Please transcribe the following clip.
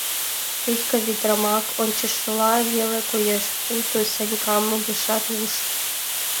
Петька ведрамак ончышыла веле коеш, пуйто Санькам огешат уж.